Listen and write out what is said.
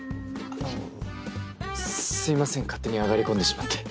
すいません勝手に上がり込んでしまって。